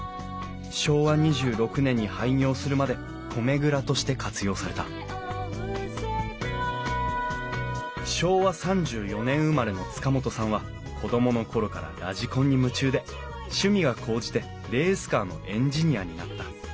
昭和２６年に廃業するまで米蔵として活用された昭和３４年生まれの塚本さんは子供の頃からラジコンに夢中で趣味が高じてレースカーのエンジニアになった。